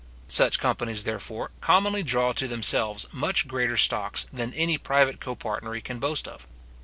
Such companies, therefore, commonly draw to themselves much greater stocks, than any private copartnery can boast of.